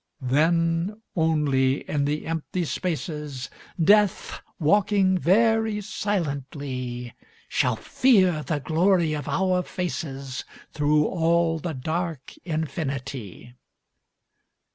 Then only in the empty spaces, Death, walking very silently, Shall fear the glory of our faces Through all the dark infinity.